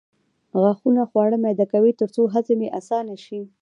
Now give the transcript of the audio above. غاښونه خواړه میده کوي ترڅو هضم یې اسانه شي